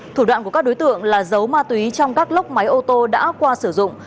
thủ đoạn của các đối tượng là giấu ma túy trong các lốc máy ô tô đã qua sử dụng